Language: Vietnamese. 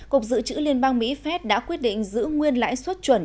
cục dự trữ liên bang mỹ phép đã quyết định giữ nguyên lãi suất chuẩn